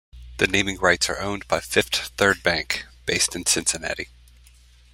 The naming rights are owned by Fifth Third Bank, based in Cincinnati.